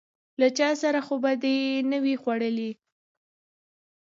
_له چا سره خو به دي نه و ي خوړلي؟